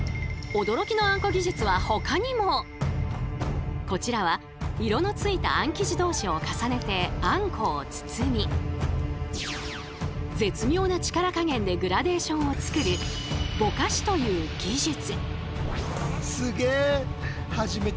１つこちらは色のついたあん生地同士を重ねてあんこを包み絶妙な力加減でグラデーションを作る「ぼかし」という技術。